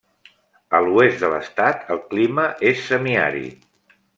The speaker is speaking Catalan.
A l'oest de l'estat, el clima és semiàrid.